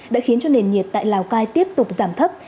đã khiến cho nền nhiệt tại lào cai tiếp tục giảm thấp